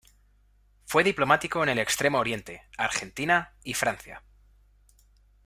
Fue diplomático en el Extremo Oriente, Argentina y Francia.